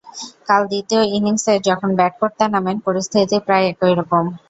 কাল দ্বিতীয় ইনিংসে যখন ব্যাট করতে নামেন, পরিস্থিতি প্রায় একই রকম।